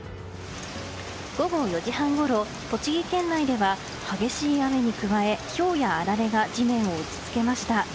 午後４時半ごろ、栃木県内では激しい雨に加えひょうやあられが地面を打ち付けました。